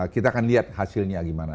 kita akan lihat hasilnya gimana